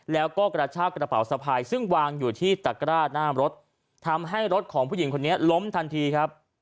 แล้วก็กระชากระเป๋าสะพายซึ่งวางอยู่ที่ตะกร้าหน้ารถทำให้รถของผู้หญิงคนนี้ล้มทันทีครับ